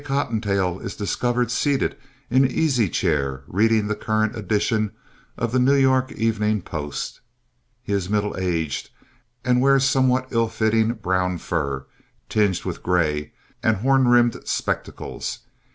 Cottontail is discovered seated in an easy chair reading the current edition of The New York Evening Post. He is middle aged and wears somewhat ill fitting brown fur, tinged with gray, and horn rimmed spectacles.